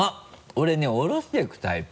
俺ね下ろしていくタイプ。